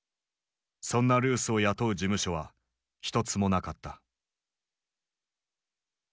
そんなルースを雇う事務所は一つもなかった。